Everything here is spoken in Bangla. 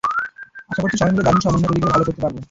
আশা করছি সবাই মিলে দারুণ সমন্বয় তৈরি করে ভালো করতে পারব।